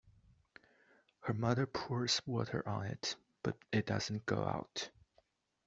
Her mother pours water on it but it doesn't go out.